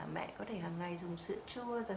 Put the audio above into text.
mẹ có thể hằng ngày dùng sữa chua